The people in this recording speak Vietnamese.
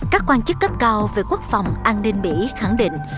các quan chức cấp cao về quốc phòng an ninh mỹ khẳng định